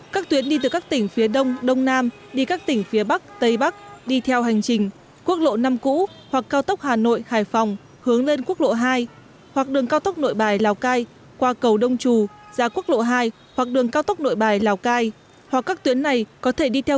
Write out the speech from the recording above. các tuyến đi từ các tỉnh phía đông đông nam đi các tỉnh phía bắc tây bắc đi theo hành trình quốc lộ nam cũ hoặc cao tốc hà nội hải phòng hướng lên quốc lộ hai hoặc đường cao tốc nội bài lào cai qua cầu đông trù ra quốc lộ hai hoặc đường cao tốc nội bài lào cai